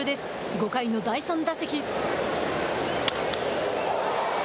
５回の第３打席。